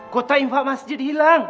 kota infak masjid hilang